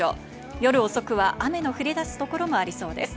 夜遅くは雨の降り出す所もありそうです。